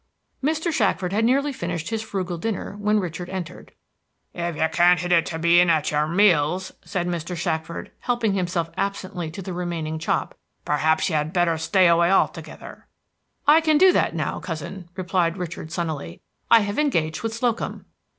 Mr. Shackford had nearly finished his frugal dinner when Richard entered. "If you can't hit it to be in at your meals," said Mr. Shackford, helping himself absently to the remaining chop, "perhaps you had better stop away altogether." "I can do that now, cousin," replied Richard sunnily. "I have engaged with Slocum."